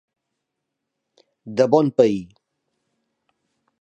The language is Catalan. De bon pair.